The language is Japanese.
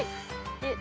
えっ？